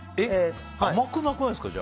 甘くなくないですか？